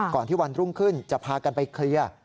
ที่วันรุ่งขึ้นจะพากันไปเคลียร์